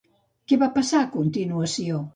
Què va passar a continuació?